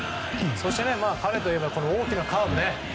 そして彼といえば大きなカーブ。